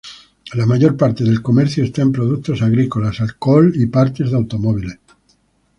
La mayor parte del comercio está en productos agrícolas, alcohol y partes de automóviles.